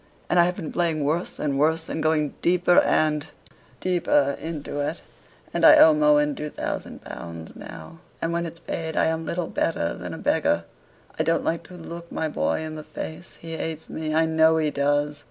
And I have been playing worse and worse, and going deeper and deeper into it; and I owe Mohun two thousand pounds now; and when it's paid I am little better than a beggar. I don't like to look my boy in the face; he hates me, I know he does.